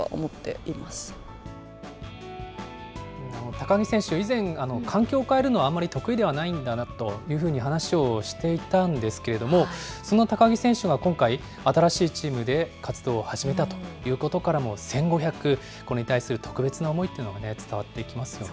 高木選手、以前、環境を変えるのはあまり得意ではないんだというふうに話をしていたんですけれども、その高木選手が今回、新しいチームで活動を始めたということからも、１５００、これに対する特別な思いというのが伝わってきますよね。